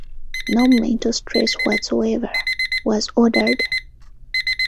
"No mental stress whatsoever" was ordered.